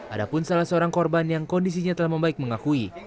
ada pun salah seorang korban yang kondisinya telah membaik mengakui